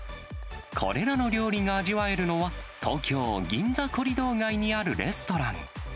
これらの料理が味わえるのが、東京・銀座コリドー街にあるレストラン。